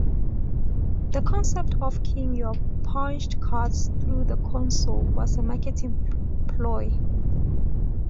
The concept of keying your punched cards through the console was a marketing ploy.